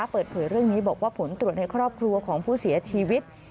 เปิดเผยเรื่องนี้บอกว่าผลตรวจในครอบครัวของผู้เสียชีวิต